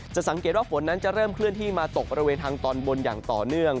สังเกตว่าฝนนั้นจะเริ่มเคลื่อนที่มาตกบริเวณทางตอนบนอย่างต่อเนื่อง